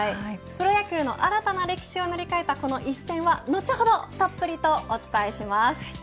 プロ野球の新たな歴史を塗り替えたこの一戦は後ほどたっぷりとお伝えします。